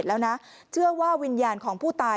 แม่ของแม่แม่ของแม่